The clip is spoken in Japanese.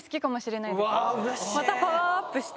またパワーアップして。